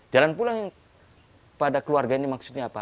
jalan pulang pada keluarga ini maksudnya apa